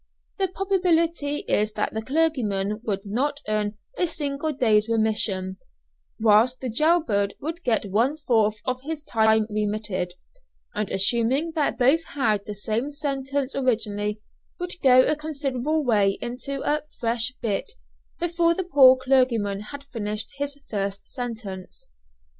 The probability is that the clergyman would not earn a single day's remission, whilst the jail bird would get one fourth of his time remitted; and assuming that both had the same sentence originally, would go a considerable way into a "fresh bit" before the poor clergyman had finished his first sentence.